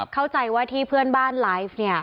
เข้าใจที่พื้นบ้านไลฟ์เนี่ย